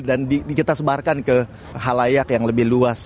dan kita sebarkan ke halayak yang lebih luas